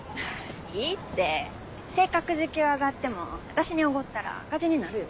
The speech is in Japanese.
いいってせっかく時給上がっても私におごったら赤字になるよ。